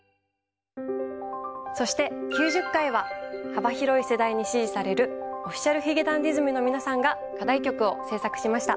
そして９０回は幅広い世代に支持されるＯｆｆｉｃｉａｌ髭男ｄｉｓｍの皆さんが課題曲を制作しました。